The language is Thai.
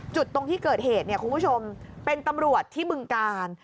ตรงที่เกิดเหตุเนี่ยคุณผู้ชมเป็นตำรวจที่บึงกาล